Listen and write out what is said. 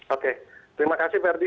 oke terima kasih ferdi